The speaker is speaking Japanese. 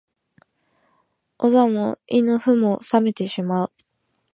お座も胃の腑も冷めてしまう